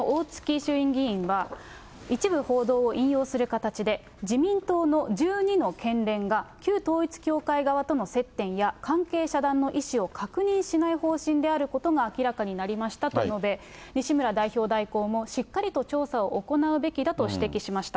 衆議院議員が、一部報道を引用する形で、自民党の１２の県連が、旧統一教会側との接点や、関係遮断の意思を確認しない方針であることが明らかになりましたと述べ、西村代表代行も、しっかりと調査を行うべきだと指摘しました。